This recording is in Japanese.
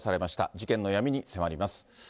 事件の闇に迫ります。